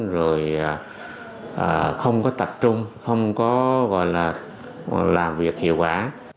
rồi không có tập trung không có gọi là làm việc hiệu quả